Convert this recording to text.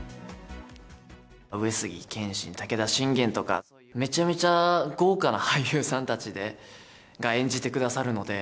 上杉謙信、武田信玄とか、めちゃめちゃ豪華な俳優さんたちが演じてくださるので。